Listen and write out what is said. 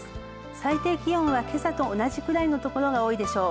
最低気温は、今朝と同じくらいのところが多いでしょう。